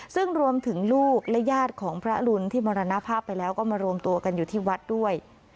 ซึ่งรวมถึงลูกและญาติของพระรุนที่มรณภาพไปแล้วก็มารวมตัวกันอยู่ที่วัดด้วย